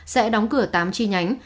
sẽ đóng cửa tám chi nhánh